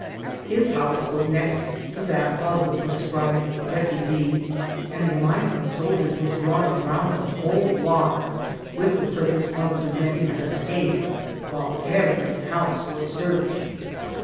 His house was next to that of the proscribed deputy, and a line of soldiers was drawn around the whole block, with the purpose of preventing an escape, while every house was searched.